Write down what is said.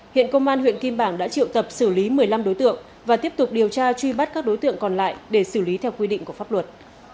hiện công an huyện kim bảng đã triệu tập xử lý một mươi năm đối tượng và tiếp tục điều tra truy bắt các đối tượng còn lại để xử lý theo quy định của pháp luật